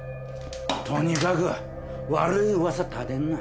とにかく悪い噂立てんな。